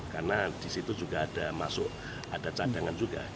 karena disitu juga ada cadangan juga